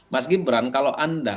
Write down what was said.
mas gibran kalau anda